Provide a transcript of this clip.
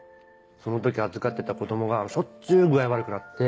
その時預かってた子供がしょっちゅう具合悪くなって。